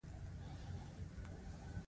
ډېر خلک له دې ځایه رام الله ته نه شي تللی.